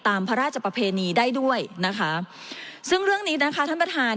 พระราชประเพณีได้ด้วยนะคะซึ่งเรื่องนี้นะคะท่านประธาน